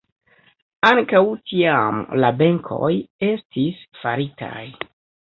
Ankaŭ tiam la benkoj estis faritaj.